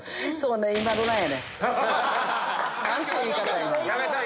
何ちゅう言い方やねん！